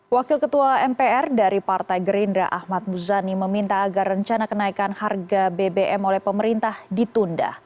wakil ketua mpr dari partai gerindra ahmad muzani meminta agar rencana kenaikan harga bbm oleh pemerintah ditunda